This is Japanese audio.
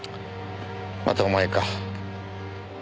またお前か。